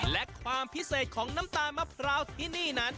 และความพิเศษของน้ำตาลมะพร้าวที่นี่นั้น